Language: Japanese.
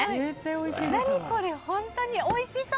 何これ、本当においしそう！